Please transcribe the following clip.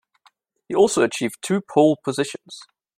He also achieved two pole positions.